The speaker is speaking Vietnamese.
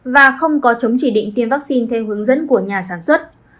và không có chống chỉ định tiêm vaccine theo hướng dẫn của nhà sản xuất